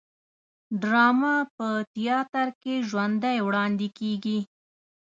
ډرامه په تیاتر کې ژوندی وړاندې کیږي